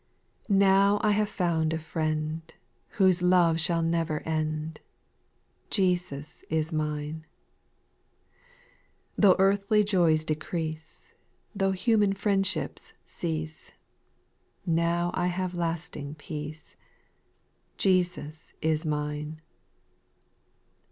\rOW I have found a Friend, JLl Whose love shall never end, Jesus is mine. Though earthly joys decrease. Though human friendships cease, Now I have lasting peace ; Jesus is mine.